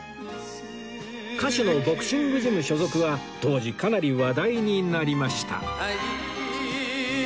歌手のボクシングジム所属は当時かなり話題になりました